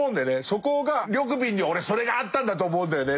そこが緑敏には俺それがあったんだと思うんだよね。